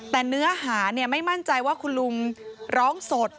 แต่เนื้อหาไม่มั่นใจว่าคุณลุงร้องสด